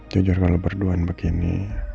jujur kalau berdua begini